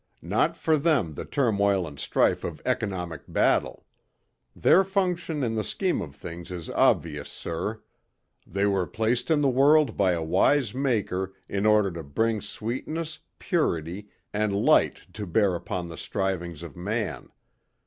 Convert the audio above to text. Not for them the turmoil and strife of economic battle. Their function in the scheme of things is obvious, sir. They were placed in the world by a wise Maker in order to bring sweetness, purity and light to bear upon the strivings of man.